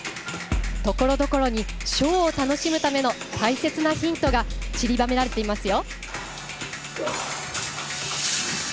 ところどころにショーを楽しむための大切なヒントがちりばめられていますよ。